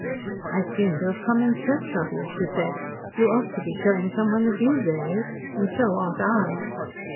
"I seem to have come in search of you," she said. "You ought to be showing someone the view really and so ought I."